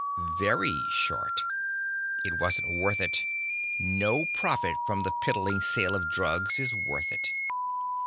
"Very short. It wasn't worth it. No profit from the piddling sale of drugs is worth it."